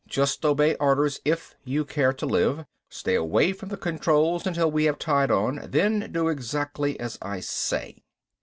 "Just obey orders if you care to live. Stay away from the controls until we have tied on, then do exactly as I say."